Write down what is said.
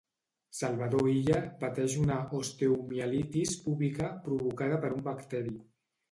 Salvador Illa pateix una osteomielitis púbica provocada per un bacteri.